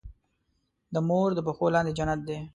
د مور د پښو لاندې جنت دی.